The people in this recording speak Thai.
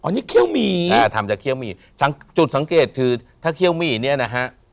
อันนี้เขี้ยวหมี่อ่าทำจากเคี่ยวหมี่สังจุดสังเกตคือถ้าเคี่ยวหมี่เนี่ยนะฮะ